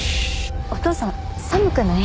お父さん寒くない？